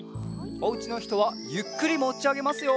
おうちのひとはゆっくりもちあげますよ。